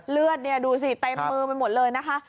เลือดเนี่ยดูสิเต็มมือไปหมดเลยนะคะ